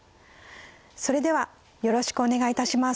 それではよろしくお願いいたします。